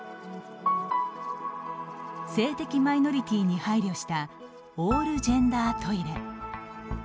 性的マイノリティーに配慮したオールジェンダートイレ。